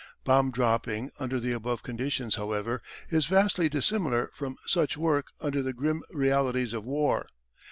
Bomb dropping under the above conditions, however, is vastly dissimilar from such work under the grim realities of war.